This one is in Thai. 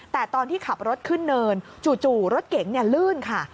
แต่ตอนที่ขับรถขึ้นเนินจู่รถเก๋งลื่นค่ะ